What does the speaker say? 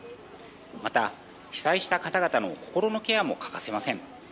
また、被災した方々の心のケアも欠かせません。